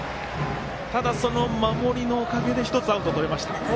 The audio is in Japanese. ただ、守りのおかげで１つアウトをとれました。